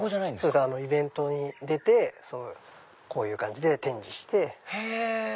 イベントに出てこういう感じで展示して。